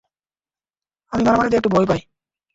আমি মারামারিতে একটু ভয় পাই।